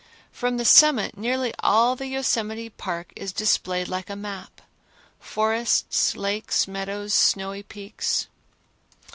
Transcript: From the summit nearly all the Yosemite Park is displayed like a map: forests, lakes, meadows, and snowy peaks.